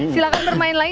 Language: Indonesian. silahkan bermain lagi